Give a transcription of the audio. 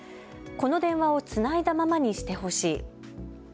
この電話をつないだままにしてほしい。